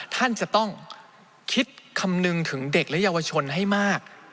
ท่านจะต้องคิดคำนึงถึงเด็กและเยาวชนให้มาก